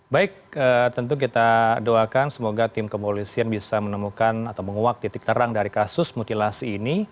baik tentu kita doakan semoga tim kepolisian bisa menemukan atau menguak titik terang dari kasus mutilasi ini